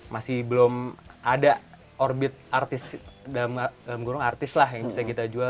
masih belum ada orbit artis dalam gurung artis lah yang bisa kita jual